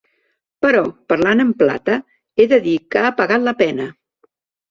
Però, parlant en plata, he de dir que ha pagat la pena.